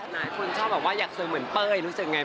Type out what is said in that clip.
หลายคนชอบแบบว่าอยากเซอร์เหมือนเป้ยรู้สึกไง